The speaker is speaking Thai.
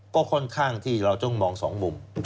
ก็ค่อนข้างที่เราต้องมองสองมุม